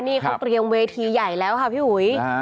นี่เขาเตรียมเวทีใหญ่แล้วค่ะพี่อุ๋ย